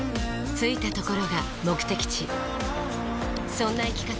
着いたところが目的地そんな生き方